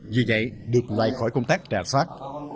vì vậy được loại khỏi công tác trả sát